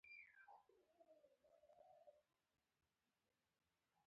ښه او بشپړه طریقه وګوري.